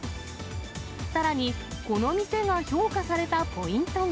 さらに、この店が評価されたポイントが。